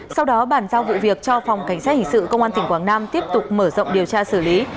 sau đó bàn giao vụ việc cho phòng cảnh sát hình sự công an tỉnh quảng nam tiếp tục mở rộng điều tra xử lý